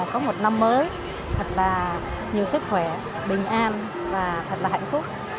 có một năm mới thật là nhiều sức khỏe bình an và thật là hạnh phúc